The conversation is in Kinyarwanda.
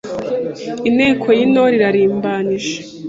Inteko y’Intore irarimbanije